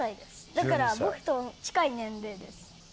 だから僕と近い年齢です。